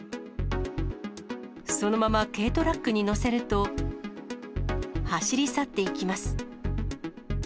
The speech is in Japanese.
そのまま軽トラックに載せると、走り去っていきます。